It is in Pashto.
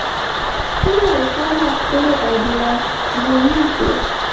خونه روښانه، ښکلې او ډېره زړه وړونکې وه.